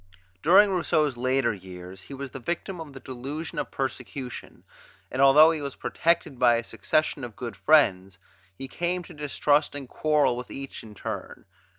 During Rousseau's later years he was the victim of the delusion of persecution; and although he was protected by a succession of good friends, he came to distrust and quarrel with each in turn.